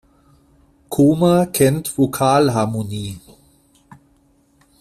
Koma kennt Vokalharmonie.